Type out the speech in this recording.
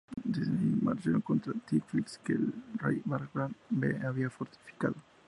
Desde allí, marchó contra Tiflis, que el rey Bagrat V había fortificado.